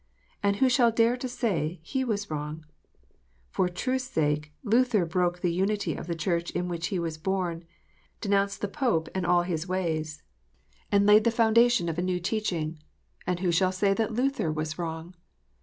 And who shall dare to say he was wrong 1 For the truth s sake, Luther broke the unity of the Church in which he was born, denounced the Pope and all his ways, THE FALLIBILITY OF MINISTERS. 373 and laid the foundation of a new teaching. And who shall dare to say that Luther was wrong